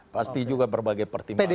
pasti juga berbagai pertimbangan